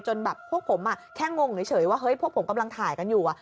แบบพวกผมแค่งงเฉยว่าเฮ้ยพวกผมกำลังถ่ายกันอยู่